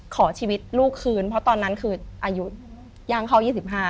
ขอชีวิตลูกคืนเพราะตอนนั้นคืออายุย่างเข้า๒๕